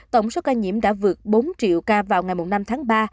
tổng số ca nhiễm đã vượt bốn triệu ca vào ngày năm tháng ba